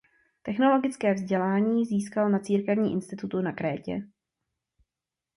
Teologické vzdělání získal na Církevním institutu na Krétě.